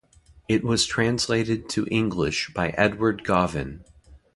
It was translated to English by Edward Gauvin.